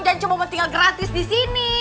jangan cuma mau tinggal gratis di sini